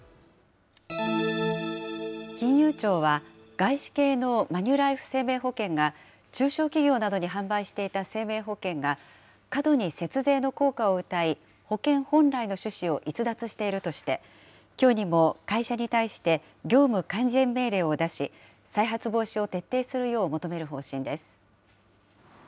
金融庁は、外資系のマニュライフ生命保険が中小企業などに販売していた生命保険が、過度に節税の効果をうたい、保険本来の趣旨を逸脱しているとして、きょうにも会社に対して、業務改善命令を出し、再発防止を徹底するよう求める方針です。